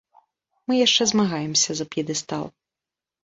Мы яшчэ змагаемся за п'едэстал.